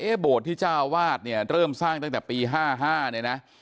โบสถ์ที่เจ้าวาดเนี่ยเริ่มสร้างตั้งแต่ปี๕๕เนี่ยนะ